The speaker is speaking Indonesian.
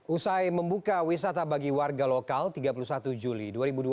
usai membuka wisata bagi warga lokal tiga puluh satu juli dua ribu dua puluh